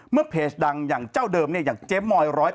เมื่อเพจดังอย่างเจ้าเดิมอย่างเจ๊มอย๑๐๘ออกมา